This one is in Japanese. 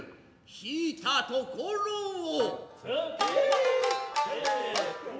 引いたところを。